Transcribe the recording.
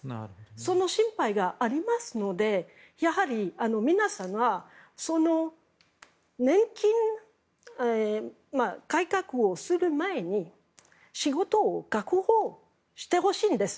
その心配がありますのでやはり皆さんはその年金改革をする前に仕事を確保してほしいんです。